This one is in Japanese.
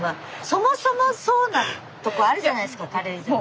そもそもそうなとこあるじゃないですか軽井沢。